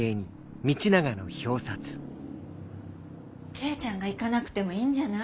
圭ちゃんが行かなくてもいいんじゃない？